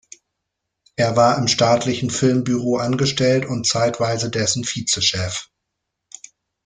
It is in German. Er war im staatlichen Filmbüro angestellt und zeitweise dessen Vizechef.